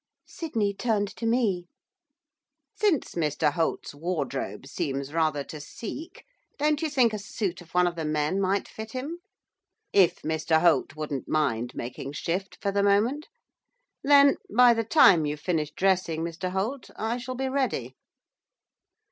Sydney turned to me. 'Since Mr Holt's wardrobe seems rather to seek, don't you think a suit of one of the men might fit him, if Mr Holt wouldn't mind making shift for the moment? Then, by the time you've finished dressing, Mr Holt, I shall be ready.